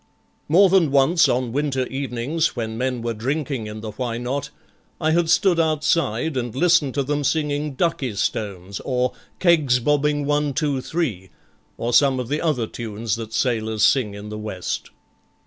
More than once on winter evenings, when men were drinking in the Why Not?, I had stood outside, and listened to them singing 'Ducky stones', or 'Kegs bobbing One, Two, Three', or some of the other tunes that sailors sing in the west.